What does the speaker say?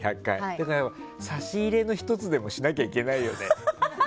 だから差し入れの１つでもしなきゃいけないよね。